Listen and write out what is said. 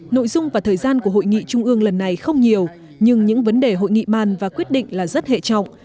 nội dung và thời gian của hội nghị trung ương lần này không nhiều nhưng những vấn đề hội nghị ban và quyết định là rất hệ trọng